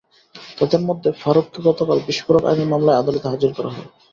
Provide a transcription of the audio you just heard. তাঁদের মধ্যে ফারুককে গতকাল বিস্ফোরক আইনের মামলায় আদালতে হাজির করা হয়।